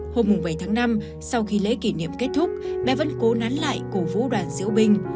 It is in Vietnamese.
hôm bảy tháng năm sau khi lễ kỷ niệm kết thúc bé vẫn cố nán lại cổ vũ đoàn diễu binh